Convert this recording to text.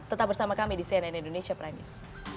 tetap bersama kami di cnn indonesia prime news